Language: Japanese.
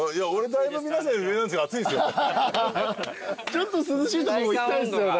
ちょっと涼しいとこ行きたいですよね。